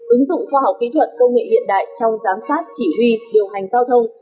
ứng dụng khoa học kỹ thuật công nghệ hiện đại trong giám sát chỉ huy điều hành giao thông